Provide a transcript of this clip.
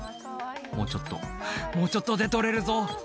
「もうちょっともうちょっとで取れるぞ」